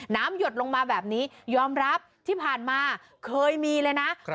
หยดลงมาแบบนี้ยอมรับที่ผ่านมาเคยมีเลยนะ